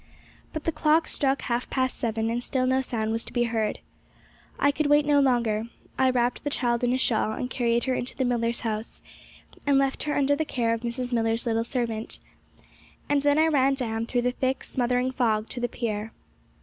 But the clock struck half past seven, and still no sound was to be heard. I could wait no longer; I wrapped the child in a shawl, and carried her into the Millars' house, and left her under the care of Mrs. Millar's little servant. And then I ran down, through the thick, smothering fog, to the pier.